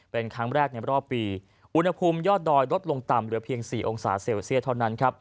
เป็นครั้งแรกในรอบปีอุณหภูมิยอดดอยลดลงต่ำเหลือเพียง๔องศาเซลเซียสเท่านั้นครับ